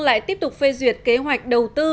lại tiếp tục phê duyệt kế hoạch đầu tư